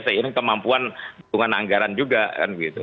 seiring kemampuan dukungan anggaran juga kan gitu